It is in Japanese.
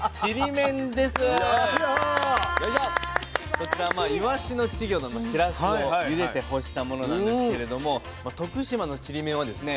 こちらまあいわしの稚魚のしらすをゆでて干したものなんですけれども徳島のちりめんはですね